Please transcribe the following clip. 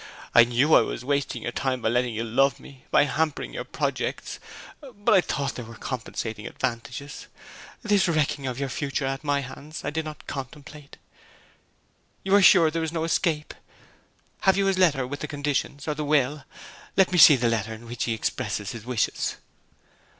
I knew I was wasting your time by letting you love me, and hampering your projects; but I thought there were compensating advantages. This wrecking of your future at my hands I did not contemplate. You are sure there is no escape? Have you his letter with the conditions, or the will? Let me see the letter in which he expresses his wishes.'